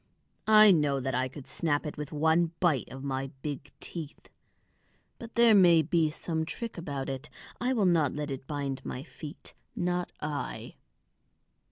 "I know that I could snap it with one bite of my big teeth. But there may be some trick about it; I will not let it bind my feet, not I."